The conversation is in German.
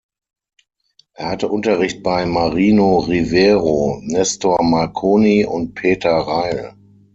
Er hatte Unterricht bei Marino Rivero, Nestor Marconi und Peter Reil.